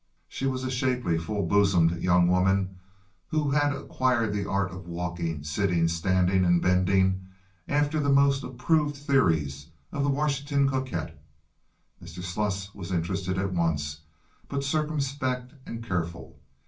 She was a shapely, full bosomed young woman who had acquired the art of walking, sitting, standing, and bending after the most approved theories of the Washington cocotte. Mr. Sluss was interested at once, but circumspect and careful.